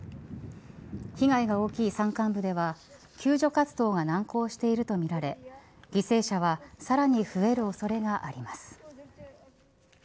被害が大きい山間部では救助活動が難航しているとみられ犠牲者はさらに増える恐れがあります。